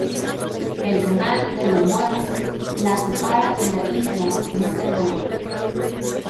El canal de Le Moyne la separa de la isla Notre-Dame.